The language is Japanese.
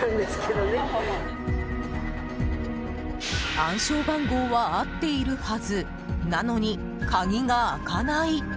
暗証番号は合っているはずなのに鍵が開かない？